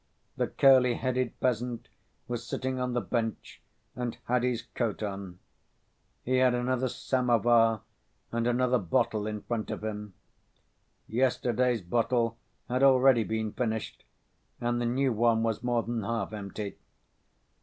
The curly‐headed peasant was sitting on the bench and had his coat on. He had another samovar and another bottle in front of him. Yesterday's bottle had already been finished, and the new one was more than half empty.